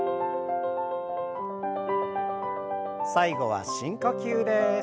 最後は深呼吸です。